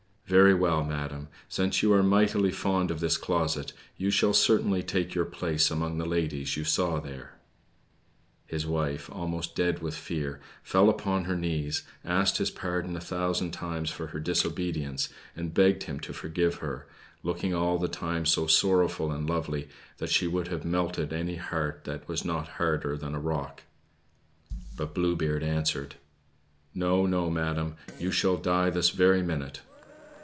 Very well, madam; since you are so mightily fond of this closet, you shall certainly take your place among the ladies you saw there." His wife, almost dead with fear, fell upon her knees, asked his pardon a thousand times for her disobedience, and begged him to forgive her, looking all the time so sorrowful and lovely that she would have melted any heart that was not harder than a rock. But Blue Beard answered: "No, no, madam; you shall die this very minute."